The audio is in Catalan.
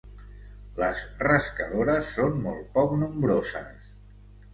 Les rascadores són molt poc nombroses.